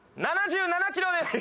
７７キロです。